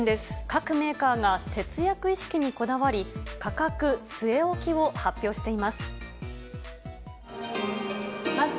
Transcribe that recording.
各メーカーが節約意識にこだわり、価格据え置きを発表しています。